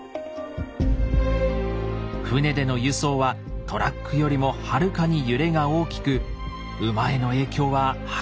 船での輸送はトラックよりもはるかに揺れが大きく馬への影響は計り知れません。